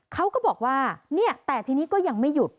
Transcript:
เขาก็บอกว่าเนี่ยแต่ทีนี้ก็ยังไม่หยุด